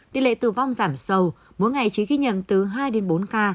tỷ lệ tử vong giảm sâu mỗi ngày chỉ ghi nhận từ hai đến bốn ca